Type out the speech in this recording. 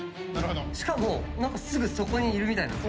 しかも何かすぐそこにいるみたいなんです。